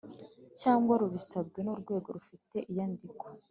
cyangwa rubisabwe n urwego rufite iyandikwa